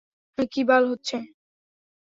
কি বাল হচ্ছে?